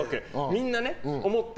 みんな思って。